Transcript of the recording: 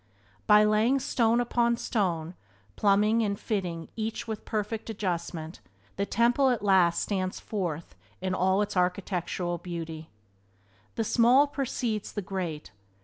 By laying stone upon stone, plumbing and fitting each with perfect adjustment, the temple at last stands forth in all its architectural beauty. The small precedes the great.